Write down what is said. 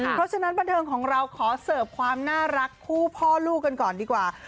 เพราะฉะนั้นบันเทิงของเราขอเสิร์ฟความน่ารักคู่พ่อลูกกันก่อนดีกว่า